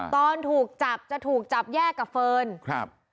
ตอนถูกจับจะถูกจับแยกกับเฟิร์นครับ